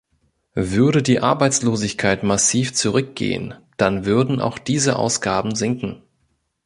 Würde die Arbeitslosigkeit massiv zurückgehen, dann würden auch diese Ausgaben sinken.